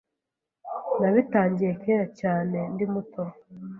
Nabitangiye kera cyane. Ndi muto